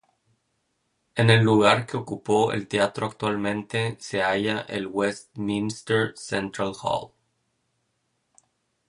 En el lugar que ocupó el teatro actualmente se halla el Westminster Central Hall.